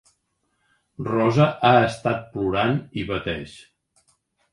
Rosa ha estat plorant i pateix.